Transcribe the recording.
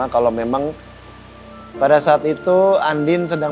gampang sekali bukan allen